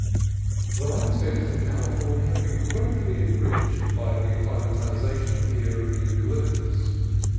The landscapes of California have been greatly enriched by the acclimatization here of the euca lyptus.